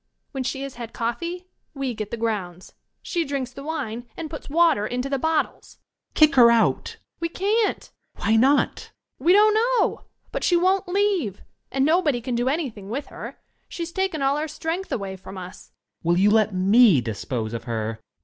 When she has had coffee, we get the grounds. She drinks the wine and puts water into the bottles .. J^. Student. Kick her out !/ Young Lady. We can't ! Student. Why not? Young Lady. We don't know! But she won't leave! And nobody can do anything with her. She has taken all our strength away from us. Student. Will you let me dispose of her?